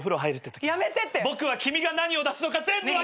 僕は君が何を出すのか全部分かる。